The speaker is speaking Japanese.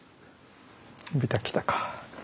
ビタ来たか。